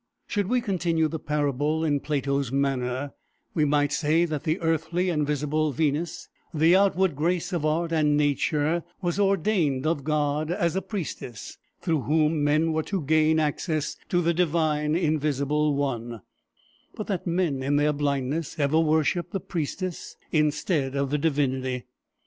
Should we continue the parable in Plato's manner, we might say that the earthly and visible Venus, the outward grace of art and nature, was ordained of God as a priestess, through whom men were to gain access to the divine, invisible One; but that men, in their blindness, ever worship the priestess instead of the divinity.